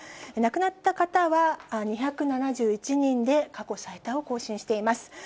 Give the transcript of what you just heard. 亡くなった方は２７１人で、過去最多を更新しています。